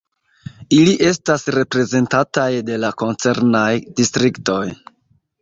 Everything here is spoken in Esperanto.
Ili estas reprezentataj de la koncernaj distriktoj.